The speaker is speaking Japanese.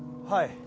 はい。